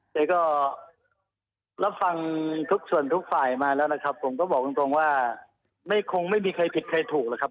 แต่ก็รับฟังทุกส่วนทุกฝ่ายมาแล้วนะครับผมก็บอกตรงว่าไม่คงไม่มีใครผิดใครถูกหรอกครับ